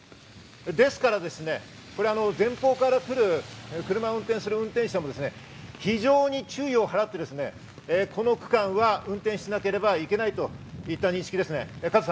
ですから、前方から来る車を運転する運転手さんも非常に注意を払って、この区間は運転しなければいけないといった認識です。